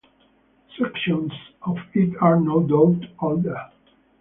Sections of it are no doubt older.